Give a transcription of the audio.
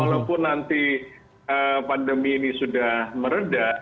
walaupun nanti pandemi ini sudah meredah